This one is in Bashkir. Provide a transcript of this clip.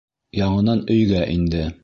Яңынан өйгә инде.